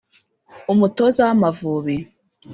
Umutoza w’Amavubi